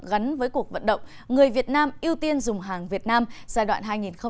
gắn với cuộc vận động người việt nam ưu tiên dùng hàng việt nam giai đoạn hai nghìn hai mươi một hai nghìn hai mươi năm